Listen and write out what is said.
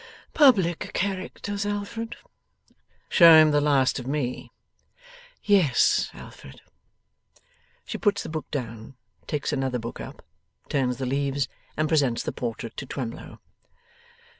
'Public characters, Alfred.' 'Show him the last of me.' 'Yes, Alfred.' She puts the book down, takes another book up, turns the leaves, and presents the portrait to Twemlow.